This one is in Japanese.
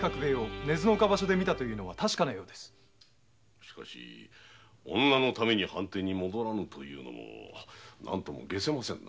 しかし女のために藩邸に戻らぬというのも解せませぬな。